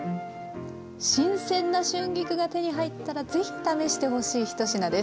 新鮮な春菊が手に入ったら是非試してほしい１品です。